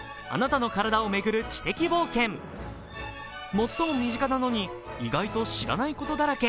最も身近なのに、意外と知らないことだらけ。